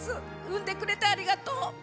生んでくれてありがとう。